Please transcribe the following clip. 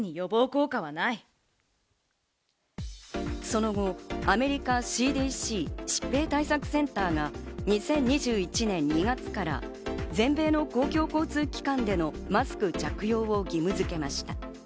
その後、アメリカＣＤＣ＝疾病対策センターが２０２１年２月から全米の公共交通機関でのマスク着用を義務付けました。